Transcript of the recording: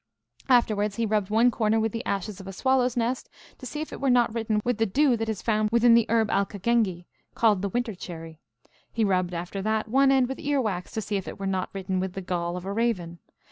Afterwards he rubbed one corner with the ashes of a swallow's nest, to see if it were not written with the dew that is found within the herb alcakengy, called the winter cherry. He rubbed, after that, one end with ear wax, to see if it were not written with the gall of a raven.